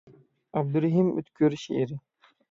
ئابدۇرېھىم ئۆتكۈر شېئىرى.